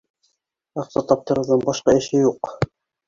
Аҡса таптырыуҙан башҡа эше юҡ